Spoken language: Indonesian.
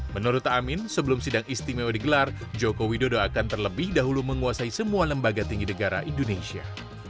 menurut amin sebelum sidang istimewa digelar joko widodo akan terlebih dahulu menguasai semua lembaga tinggi negara indonesia